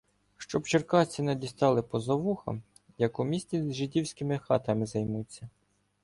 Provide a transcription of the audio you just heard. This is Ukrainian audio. Щоб черкасці не дістали поза вуха, як у місті жидівськими хатами займуться.